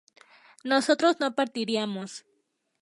nosotros no partiríamos